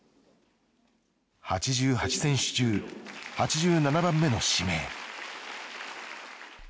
８８選手中８７番目の指名。